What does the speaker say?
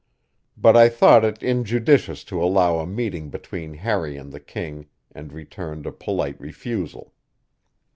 But I thought it injudicious to allow a meeting between Harry and the king, and returned a polite refusal.